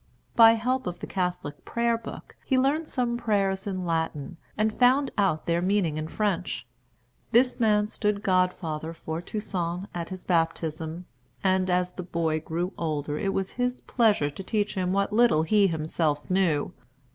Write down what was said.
By help of the Catholic Prayer Book he learned some prayers in Latin, and found out their meaning in French. This man stood godfather for Toussaint at his baptism, and as the boy grew older it was his pleasure to teach him what little he himself knew.